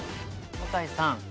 向井さん